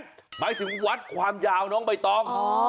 หมายถึงวัดความยาวน้องใบตอง